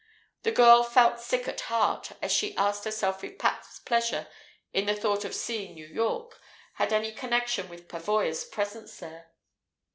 The girl felt sick at heart as she asked herself if Pat's pleasure in the thought of "seeing New York" had any connection with Pavoya's presence there.